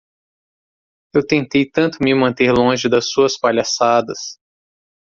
Eu tentei tanto me manter longe das suas palhaçadas.